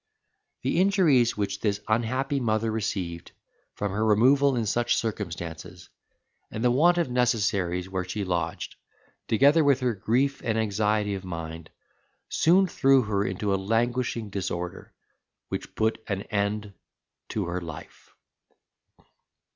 The injuries which this unhappy mother received from her removal in such circumstances, and the want of necessaries where she lodged, together with her grief and anxiety of mind, soon threw her into a languishing disorder, which put an end to her life.